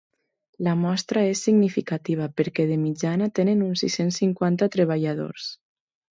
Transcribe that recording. La mostra és significativa, perquè, de mitjana, tenen uns sis-cents cinquanta treballadors.